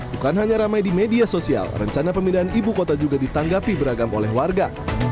bukan hanya ramai di media sosial rencana pemindahan ibu kota juga ditanggapi beragam oleh warga